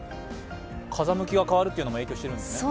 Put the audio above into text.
風向きが変わるっていうのも影響してるんですね？